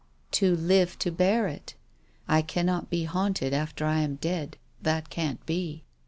" To live to bear it. I cannot be haunted after I am dead. That can't be."